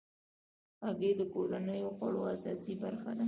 هګۍ د کورنیو خوړو اساسي برخه ده.